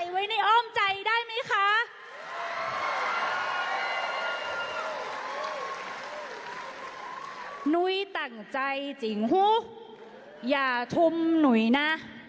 อย่าทุ่มหนุ้ยนะ